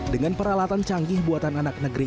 dengan peralatan canggih buatan anak negeri